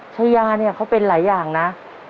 ชายาเนี่ยเขาเป็นหลายอย่างนะ